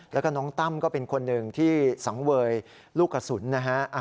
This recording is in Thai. แล้วก็น้องตั้มก็เป็นคนหนึ่งที่สังเวยลูกกระสุนนะฮะ